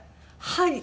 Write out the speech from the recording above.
はい。